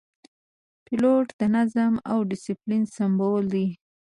پیلوټ د نظم او دسپلین سمبول دی.